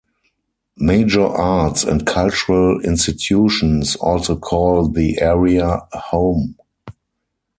Major arts and cultural institutions also call the area home.